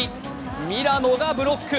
ミラノがブロック。